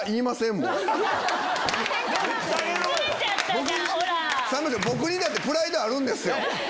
僕にだってプライドあるんですよ。